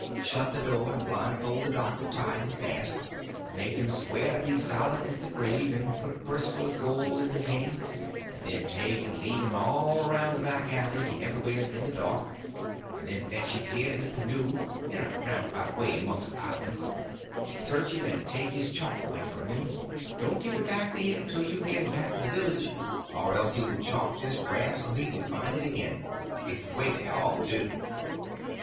Shut the door and blindfold the doctor tight and fast, and make him swear to be silent as the grave, and put a purse full of gold in his hand, and then take and lead him all around the back alleys and everywheres in the dark, and then fetch him here in the canoe, in a roundabout way amongst the islands, and search him and take his chalk away from him, and don't give it back to him till you get him back to the village, or else he will chalk this raft so he can find it again. It's the way they all do."